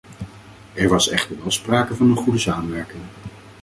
Er was echter wel sprake van een goede samenwerking.